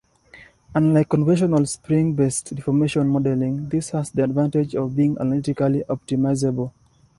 Unlike conventional spring-based deformation modelling, this has the advantage of being analytically optimizable.